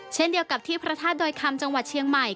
เช่นเดียวกับที่พระธาตุดอยคำจังหวัดเชียงใหม่